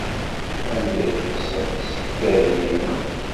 Anda ay tekkseḍ tisekkadin-nnem?